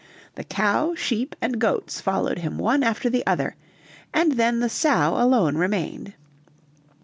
The cow, sheep, and goats followed him one after the other, and then the sow alone remained.